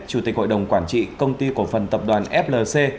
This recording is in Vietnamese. chủ tịch hội đồng quản trị công ty cổ phần tập đoàn flc